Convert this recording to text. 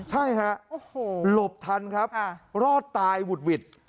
ใช่ฮะโอ้โหหลบทันครับอ่ารอดตายหุดหวิด